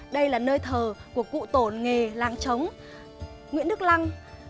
đây là nơi thờ của cụ tổ nghề làng trống nguyễn đức lăng